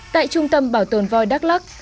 tại trung tâm bảo tồn voi đắk lắc